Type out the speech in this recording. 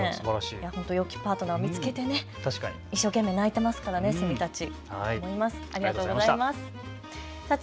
本当によきパートナーを見つけて一生懸命、鳴いてますからねセミたち。